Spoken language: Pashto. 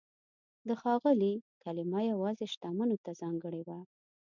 د "ښاغلی" کلمه یوازې شتمنو ته ځانګړې وه.